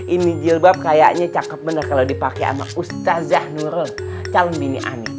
ini jilbab kayaknya cakep bener kalo dipake sama ustazah nurul calon bini ani